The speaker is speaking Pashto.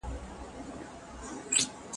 ځينو پوهانو پر دې پېژندني نيوکي راپورته کړې.